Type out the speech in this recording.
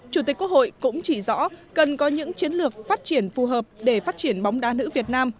chủ tịch quốc hội cũng chỉ rõ cần có những chiến lược phát triển phù hợp để phát triển bóng đá nữ việt nam